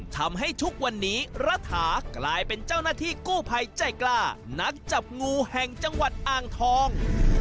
ทำให้ทุกวันนี้รัฐากลายเป็นเจ้าหน้าที่กู้ภัยใจกล้านักจับงูแห่งจังหวัดอ่างทอง